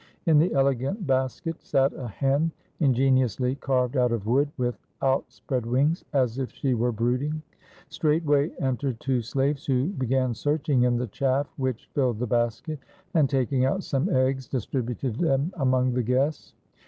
In the elegant basket sat a hen, ingeniously carved out of wood, with out spread wings, as if she were brooding. Straightway en tered two slaves, who began searching in the chaff which filled the basket, and taking out some eggs, distributed them among the guests.